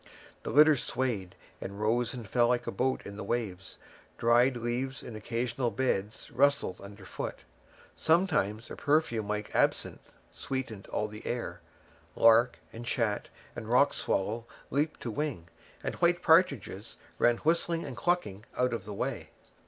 The litter swayed, and rose and fell like a boat in the waves. Dried leaves in occasional beds rustled underfoot. Sometimes a perfume like absinthe sweetened all the air. Lark and chat and rock swallow leaped to wing, and white partridges ran whistling and clucking out of the way.